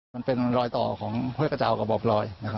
มันเป็นรอยต่อของห้วยกระเจ้ากระบอกลอย